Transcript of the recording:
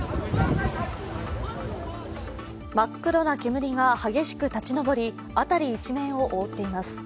真っ黒な煙が激しく立ち上り辺り一面を覆っています。